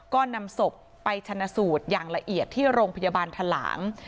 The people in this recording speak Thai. ก็นำศพไปชนะสูตรอย่างละเอียดที่โรงพยาบาลทะหลาง